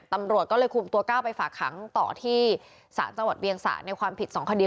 ตำรวจก็เลยคุมตัวก้าวไปฝากขังต่อที่ศาลจังหวัดเวียงสะในความผิด๒คดี